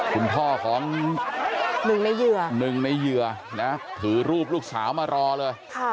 คุณพ่อของหนึ่งในเหยื่อถือรูปลูกสาวมารอเลย